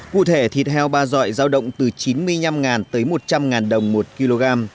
cụ thể thịt heo ba dọi giao động từ chín mươi năm tới một trăm linh đồng một kg